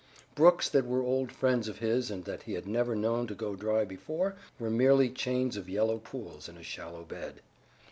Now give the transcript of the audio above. Brooks that were old friends of his and that he had never known to go dry before were merely chains of yellow pools in a shallow bed.